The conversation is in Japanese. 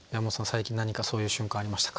最近何かそういう瞬間ありましたか？